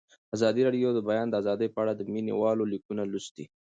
ازادي راډیو د د بیان آزادي په اړه د مینه والو لیکونه لوستي.